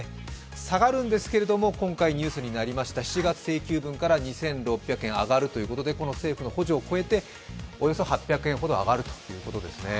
下がるんですけれども、今回ニュースになりました、７月請求分から２６００円上がるということで、政府の補助を超えておよそ８００円ほど上がるということですね。